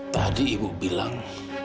tadi ibu bilang